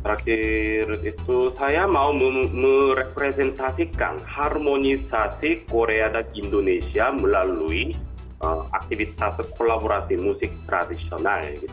terakhir itu saya mau merepresentasikan harmonisasi korea dan indonesia melalui aktivitas kolaborasi musik tradisional